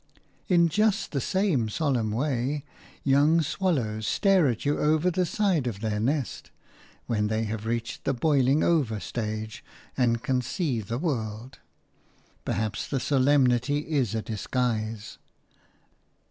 In just the same solemn way young swallows stare at you over the side of their nest, when they have reached the boiling over stage and can see the world. Perhaps the solemnity is a disguise.